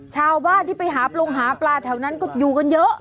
ชาวบ้านที่ไปหาปรุงหาปลาแถวนั้นก็อยู่กันเยอะ